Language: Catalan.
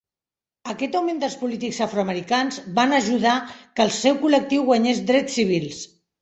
Aquest augment dels polítics afroamericans van ajudar que el seu col·lectiu guanyés drets civils.